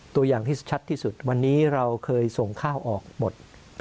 ตัวอย่างที่ชัดที่สุดวันนี้เราเคยส่งข้าวออกหมด